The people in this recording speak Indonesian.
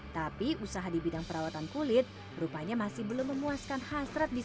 tapi usaha di bidang perawatan kulit rupanya masih belum memuaskan hasrat bisnis